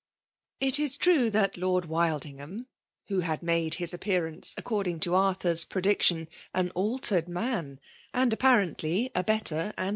It is troe that Lord Wildingham, who had uHufe Ina appearance, according to Arthur s prediction, an altered man, and, apparently, a better FEMALE DOMINATION.